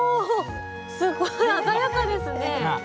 すごい鮮やかですね！